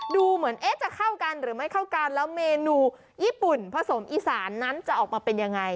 ดูเหมือนเอ๊ะจะเข้ากันหรือไม่เข้ากันแล้วเมนูญี่ปุ่นผสมอีสานนั้นจะออกมาเป็นยังไง